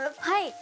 はい。